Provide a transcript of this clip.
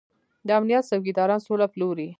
د امنيت څوکيداران سوله پلوري.